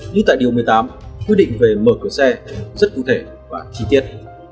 như tại điều một mươi tám quy định về mở cửa xe rất cụ thể và chi tiết